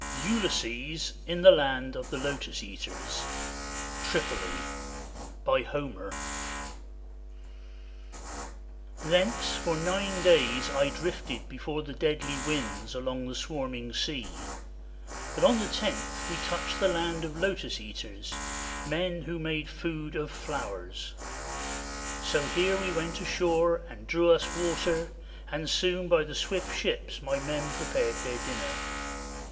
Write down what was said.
ULYSSES IN THE LAND OF THE LOTUS EATERS (TRIPOLI) BY HOMER Thence for nine days I drifted before the deadly winds along the swarming sea ; but on the tenth we touched the land of Lotus Eaters, men who made food of flowers. So here we went ashore and drew us water, and soon by the swift ships my men prepared their dinner.